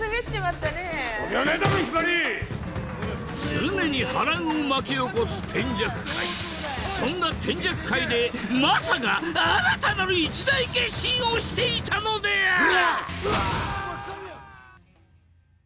常に波乱を巻き起こす天雀会そんな天雀会で雅が新たなる一大決心をしていたのである！